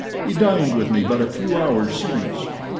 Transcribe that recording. He dined with me but a few hours since."